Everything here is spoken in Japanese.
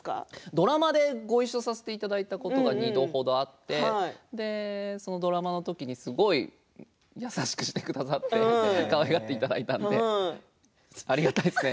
ドラマでごいっしょさせていただいたことが２度程あってそのドラマの時にすごい優しくしてくださってかわいがってくださったのでありがたいですね。